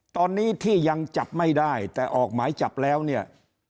ตอนนี้ที่ยังจับไม่ได้แต่ออกหมายจับแล้วเนี่ย